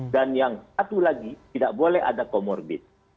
dan yang satu lagi tidak boleh ada comorbid